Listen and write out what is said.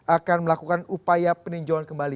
akan melakukan upaya peninjauan kembali